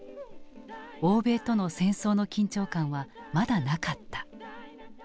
欧米との戦争の緊張感はまだなかった。